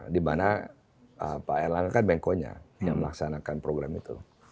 dimana pak erlangga kan mengkonya yang melaksanakan program itu